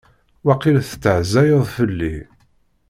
Waqil testehzayeḍ fell-i.